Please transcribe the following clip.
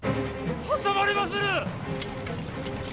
挟まれまする！